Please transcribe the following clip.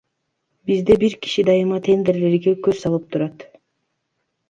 Бизде бир киши дайыма тендерлерге көз салып турат.